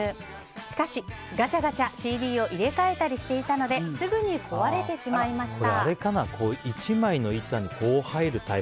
しかしガチャガチャ、ＣＤを入れ替えたりしていたのですぐに壊れてしまいました。